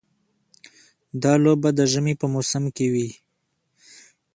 دا لوبه د ژمي په موسم کې وي.